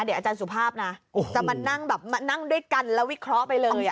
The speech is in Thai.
เดี๋ยวอาจารย์สุภาพนะจะมานั่งแบบมานั่งด้วยกันแล้ววิเคราะห์ไปเลย